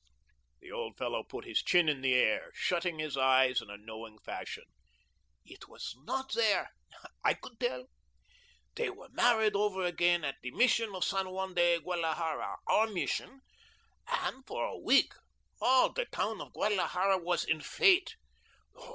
The old fellow put his chin in the air, shutting his eyes in a knowing fashion. "It was not there. I could tell. They were married over again at the Mission San Juan de Guadalajara OUR Mission and for a week all the town of Guadalajara was in fete.